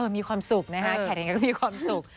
มีความสุขนะคะแขกยังไงก็มีความสุข